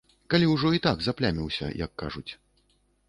Калі ўжо і так запляміўся, як кажуць.